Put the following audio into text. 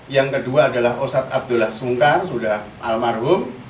yang kedua adalah ustadz abdullah sungkar sudah almarhum